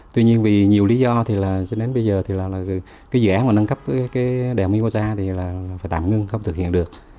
tuy nhiên vì nhiều lý do bây giờ dự án nâng cấp đèo mimosa phải tạm ngưng không thực hiện được